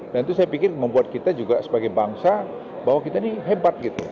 dan itu saya pikir membuat kita juga sebagai bangsa bahwa kita ini hebat